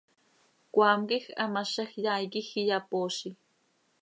Cmaam quij hamazaj yaai quij iyapoozi.